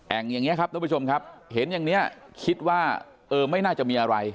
อย่างนี้ครับท่านผู้ชมครับเห็นอย่างนี้คิดว่าเออไม่น่าจะมีอะไร